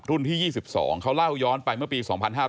ที่๒๒เขาเล่าย้อนไปเมื่อปี๒๕๕๙